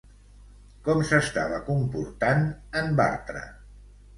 Com s'estava comportant en Bartra?